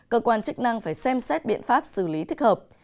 cơ quan chức năng phải xem xét biện pháp xử lý thích hợp